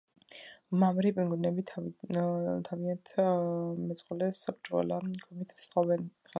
მამრი პინგვინები თავიანთ მეწყვილეს ბრჭყვიალა ქვებით სთხოვენ ხელს.